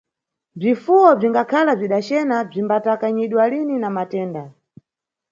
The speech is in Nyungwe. Bzifuwo bzingakhala bzidacena bzimbatakanyidwa lini na matenda